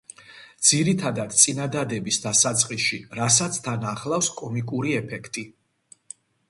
ძირითადად წინადადების დასაწყისში, რასაც თან ახლავს კომიკური ეფექტი.